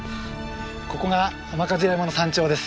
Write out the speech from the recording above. ここが雨飾山の山頂です。